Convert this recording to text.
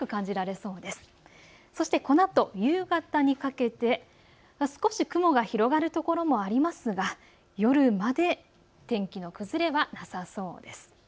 そして、このあと夕方にかけて少し雲が広がる所もありますが夜まで天気の崩れはなさそうです。